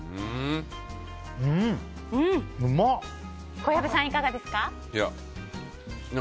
小籔さん、いかがですか？